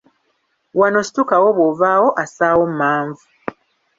Wano situkawo, bw'ovaawo assaawo mmanvu.